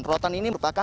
rorotan ini merupakan